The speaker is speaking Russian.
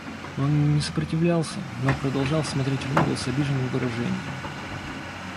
Он не сопротивлялся, но продолжал смотреть в угол с обиженным выражением.